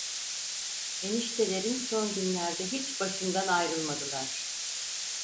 Eniştelerin son günlerde hiç başından ayrılmadılar…